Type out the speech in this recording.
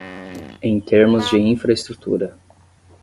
Em termos de infraestrutura